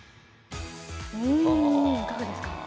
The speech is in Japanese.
いかがですか？